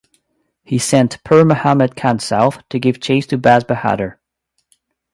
He sent Pir Muhammad Khan south to give chase to Baz Bahadur.